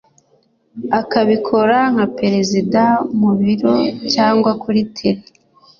akabikora nka Perezida mu Biro cyangwa kuri tere